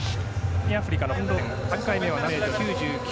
南アフリカのファンローエン、３回目は７４ｍ９９。